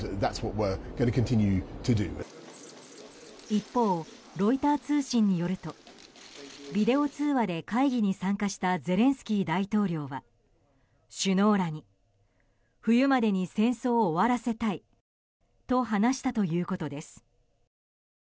一方、ロイター通信によるとビデオ通話で会議に参加したゼレンスキー大統領は首脳らに冬までに戦争を終わらせたいと話したということです。